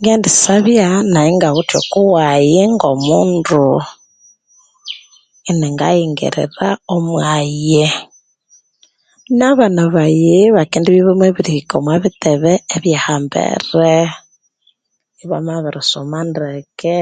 Ngendisabya nayi ingawithe okowayi ngo'omundu, Iningayingirira omwayi, na'abana bayi ibakendibya ibamabirihika omwa bitebe ebya ahambere, ibamabiri soma ndeke.